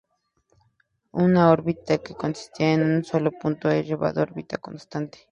Una órbita que consiste de un solo punto es llamada órbita constante.